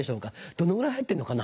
どのぐらい入ってんのかな？